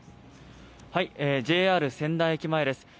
ＪＲ仙台駅前です。